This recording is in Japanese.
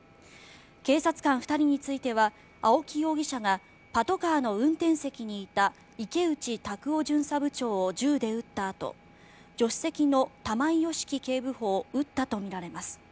警察官２人については青木容疑者がパトカーの運転席にいた池内卓夫巡査部長を銃で撃ったあと助手席の玉井良樹警部補を撃ったとみられます。